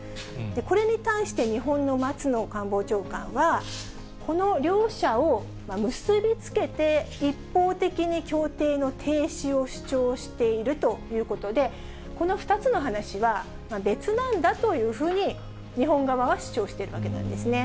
これに対して日本の松野官房長官は、この両者を結び付けて一方的に協定の停止を主張しているということで、この２つの話は、別なんだというふうに、日本側は主張しているわけなんですね。